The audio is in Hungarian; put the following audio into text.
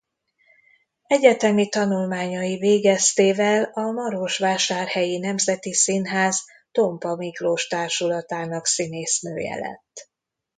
Egyetemi tanulmányai végeztével a Marosvásárhelyi Nemzeti Színház Tompa Miklós Társulatának színésznője lett.